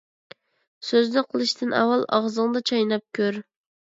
سۆزنى قىلىشتىن ئاۋۋال، ئاغزىڭدا چايناپ كۆر.